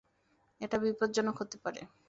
এটা বিপজ্জনক হতে পারে।